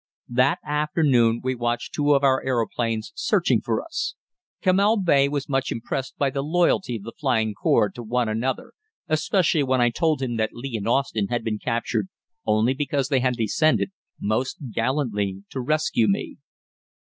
That afternoon we watched two of our aeroplanes searching for us. Kemal Bey was much impressed by the loyalty of the Flying Corps to one another, especially when I told him that Lee and Austin had been captured only because they had descended, most gallantly, to rescue me.